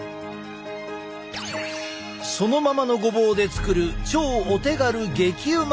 そのままのごぼうで作る超お手軽激うまレシピ。